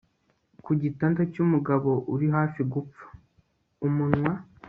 Ku gitanda cyumugabo uri hafi gupfa umunwa